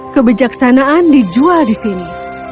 kebijaksanaan dijual di sini